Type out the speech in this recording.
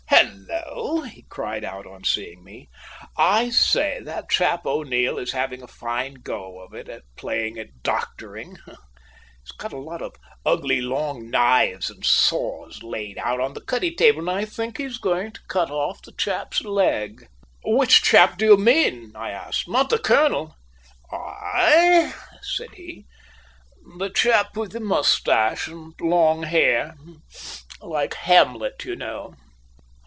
"Hullo!" he cried out on seeing me. "I say, that chap O'Neil is having a fine go of it playing at doctoring. He has got a lot of ugly long knives and saws laid out on the cuddy table and I think he's going to cut off the chap's leg!" "Which chap do you mean?" I asked; "not the colonel?" "Aye," said he. "The chap with the moustache and long hair, like Hamlet, you know!"